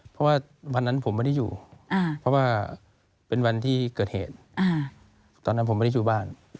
เพราะว่าวันนั้นผมไม่ได้อยู่เพราะว่าเป็นวันที่เกิดเหตุตอนนั้นผมไม่ได้อยู่บ้าน